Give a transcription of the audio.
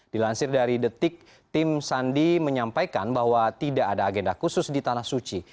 dilansir dari detik tim sandi menyampaikan bahwa tidak ada agenda khusus di tanah suci